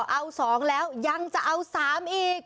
เอาสองแล้วยังจะเอาสามอีก